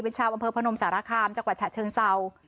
เป็นชาวอำเภอพนมสารคามจังหวัดฉะเชิงเศร้า